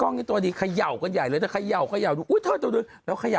ก้องนี้ตัวนี้ขยัวทุกอย่างก็ขยัวเลย